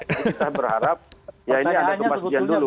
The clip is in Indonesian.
saya berharap ya ini ada kepasjian dulu